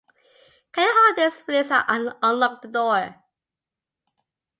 Can you hold this whilst I unlock the door?